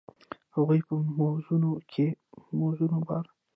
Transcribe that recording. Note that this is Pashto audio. هغوی په موزون باران کې پر بل باندې ژمن شول.